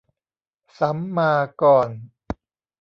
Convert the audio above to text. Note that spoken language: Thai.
สัมมากร